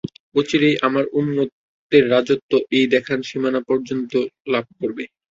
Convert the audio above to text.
অচিরেই আমার উম্মতের রাজত্ব এই দেখান সীমানা পর্যন্ত বিস্তার লাভ করবে।